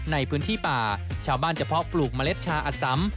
ในพื้นที่ป่าชาวบ้านเฉพาะปลูกเมล็ดชาอสัม